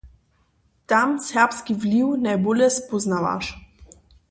Tam serbski wliw najbóle spóznawaš.